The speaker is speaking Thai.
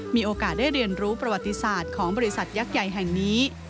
มีโอกาสได้เรียนรู้ประวัติศาสตร์ของบริษัทยักษ์ใหญ่แห่งนี้